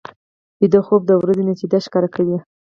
ویده خوب د ورځې نتیجې ښکاره کوي